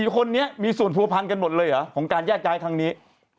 ๔คนนี้มีส่วนผัวพันกันหมดเลยเหรอของการแยกย้ายครั้งนี้